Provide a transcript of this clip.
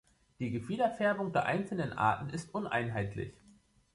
Die Gefiederfärbung der einzelnen Arten ist uneinheitlich.